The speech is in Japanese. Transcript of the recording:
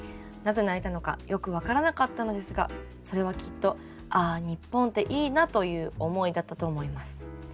なぜ泣いたのかよく分からなかったのですがそれはきっとああ日本っていいなという思いだったと思います。